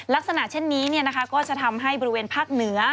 ลักษณะเช่นนี้ก็จะทำให้บริเวณภาคเหนือ